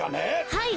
はい。